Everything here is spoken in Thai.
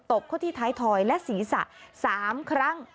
บเข้าที่ท้ายถอยและศีรษะ๓ครั้ง